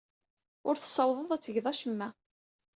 Ur tessawḍed ad tged acemma.